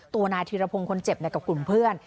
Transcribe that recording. นายธีรพงศ์คนเจ็บกับกลุ่มเพื่อน